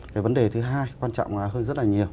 cái vấn đề thứ hai quan trọng là hơn rất là nhiều